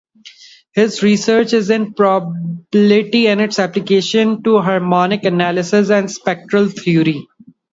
His research is in probability and its applications to harmonic analysis and spectral theory.